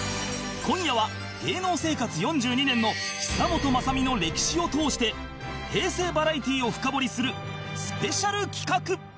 今夜は芸能生活４２年の久本雅美の歴史を通して平成バラエティを深掘りするスペシャル企画